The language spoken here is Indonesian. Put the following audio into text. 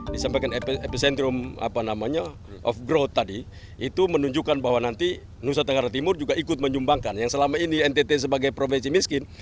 disampaikan epicentrum of growth tadi itu menunjukkan bahwa nanti nusa tenggara timur juga ikut menyumbangkan yang selama ini ntt sebagai provinsi miskin